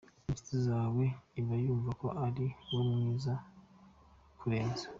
Inshuti yawe iba yumva ko ari we mwiza kukurenza.